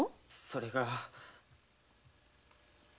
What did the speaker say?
それが。